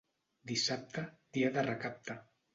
Dissabte, dia de recapte.